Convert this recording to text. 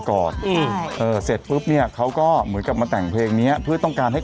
โกโกว่าคือมาไม่ทันเลยค่ะ